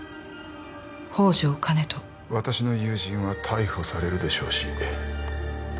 宝条兼人私の友人は逮捕されるでしょうし